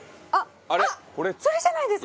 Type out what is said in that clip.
奈緒：それじゃないですか？